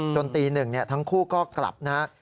ตีหนึ่งทั้งคู่ก็กลับนะครับ